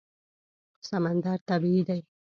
سمندر طبیعي دی.